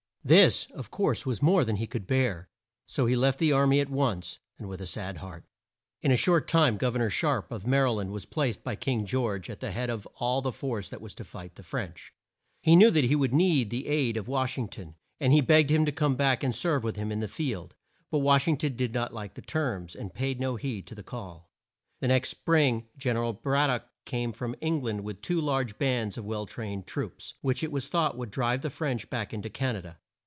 This, of course, was more than he could bear, so he left the ar my at once, and with a sad heart. In a short time Gov er nor Sharpe of Ma ry land was placed by King George at the head of all the force that was to fight the French. He knew that he would need the aid of Wash ing ton, and he begged him to come back and serve with him in the field. But Wash ing ton did not like the terms, and paid no heed to the call. The next Spring, Gen er al Brad dock came from Eng land with two large bands of well trained troops, which it was thought would drive the French back in to Can a da.